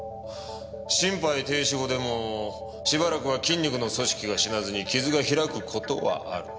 心肺停止後でもしばらくは筋肉の組織が死なずに傷が開く事はある。